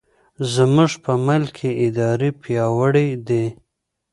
زموږ په ملک کې ادارې پیاوړې دي.